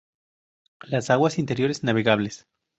Las aguas interiores navegables.